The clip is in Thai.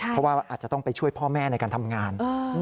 เพราะว่าอาจจะต้องไปช่วยพ่อแม่ในการทำงาน